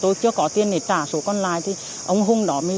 tôi chưa có tiền để trả số còn lại tôi chưa có tiền để trả số còn lại